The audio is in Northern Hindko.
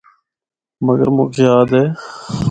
مگر مُک یاد اے۔